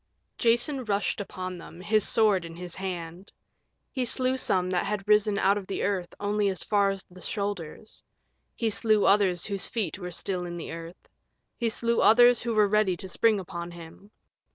Jason rushed upon them, his sword in his hand. He slew some that had risen out of the earth only as far as the shoulders; he slew others whose feet were still in the earth; he slew others who were ready to spring upon him.